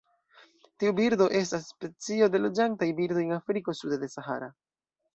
Tiu birdo estas specio de loĝantaj birdoj en Afriko sude de Sahara.